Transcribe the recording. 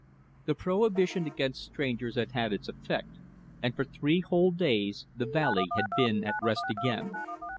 The prohibition against strangers had had its effect, and for three whole days the valley had been at rest again.